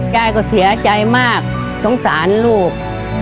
ยายก็เสียใจมากสงสารลูก